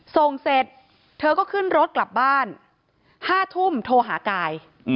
ส่งเสร็จเธอก็ขึ้นรถกลับบ้าน๕ทุ่มโทรหากาย